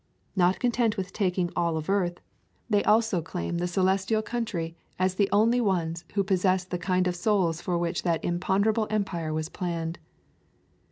Not content with taking all of earth, they also claim the celestial coun [ 139 ] A Thousand Mile Walk try as the only ones who possess the kind of souls for which that imponderable empire was planned.